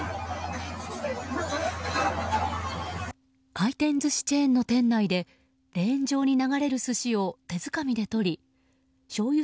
回転寿司チェーンの店内でレーン上に流れる寿司を手づかみで取りしょうゆ